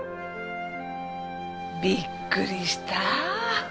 びっくりした。